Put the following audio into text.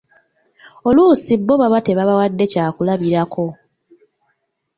Oluusi bo baba tebabawadde kyakulabirako.